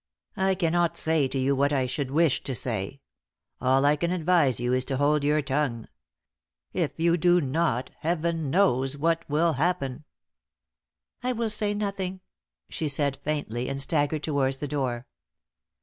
I cannot say to you what I should wish to say. All I can advise you is to hold your tongue. If you do not Heaven knows what will happen!" "I will say nothing," she said, faintly, and staggered towards the door.